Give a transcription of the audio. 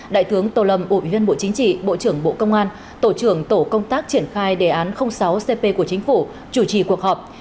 đại tướng tô lâm ủy viên bộ chính trị bộ trưởng bộ công an tổ trưởng tổ công tác triển khai đề án sáu cp của chính phủ chủ trì cuộc họp